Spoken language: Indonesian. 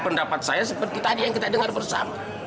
pendapat saya seperti tadi yang kita dengar bersama